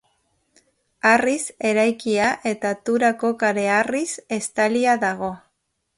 Harriz eraikia eta Turako kareharriz estalia dago.